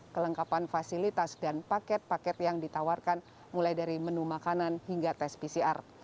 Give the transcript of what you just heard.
kelengkapan fasilitas dan paket paket yang ditawarkan mulai dari menu makanan hingga tes pcr